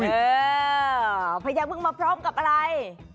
เออพญาบึ้งมาพร้อมกับอะไร